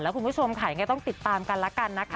คุณผู้ชมค่ะยังไงต้องติดตามกันละกันนะคะ